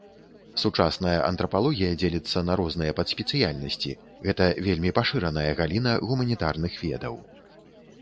Сучасная антрапалогія дзеліцца на розныя падспецыяльнасці, гэта вельмі пашыраная галіна гуманітарных ведаў.